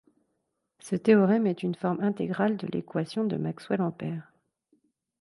Ce théorème est une forme intégrale de l'équation de Maxwell-Ampère.